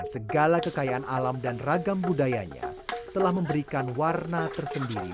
nah ini adalah bunyi yang lebih rendah